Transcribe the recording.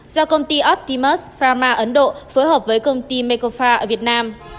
do công ty optimus pharma ấn độ phối hợp với công ty mekofa ở việt nam